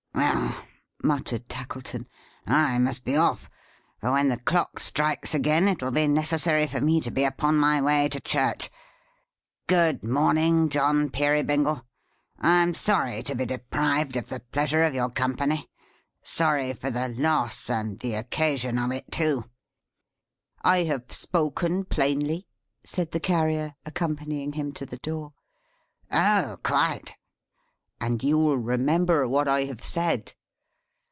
"Well!" muttered Tackleton. "I must be off: for when the clock strikes again, it'll be necessary for me to be upon my way to church. Good morning, John Peerybingle. I'm sorry to be deprived of the pleasure of your company. Sorry for the loss, and the occasion of it too!" "I have spoken plainly?" said the Carrier, accompanying him to the door. "Oh quite!" "And you'll remember what I have said?"